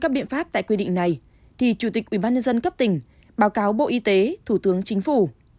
báo cáo bộ y tế thủ tướng chính phủ